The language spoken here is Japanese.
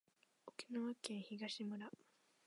沖縄県東村